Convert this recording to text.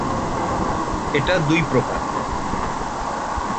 এটা দুই প্রকার।